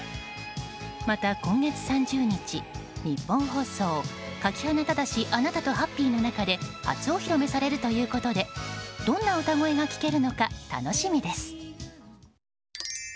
また、今月３０日ニッポン放送「垣花正あなたとハッピー！」の中で初お披露目されるということでどんな歌声が聴けるのか楽しみです。